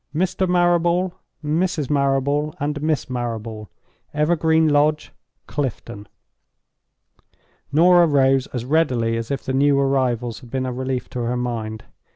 "Mr. Marrable, Mrs. Marrable, and Miss Marrable; Evergreen Lodge, Clifton." Norah rose as readily as if the new arrivals had been a relief to her mind.